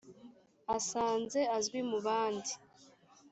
asanze azwi mu bandi